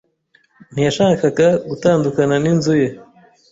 Ntiyashakaga gutandukana n'inzu ye.